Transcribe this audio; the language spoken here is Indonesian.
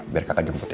biar kakak jemput ya